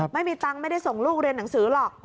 ไม่มีตังค์ไม่ได้ส่งลูกเรียนหนังสือหรอก